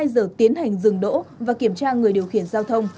được tiến hành dừng đỗ và kiểm tra người điều khiển giao thông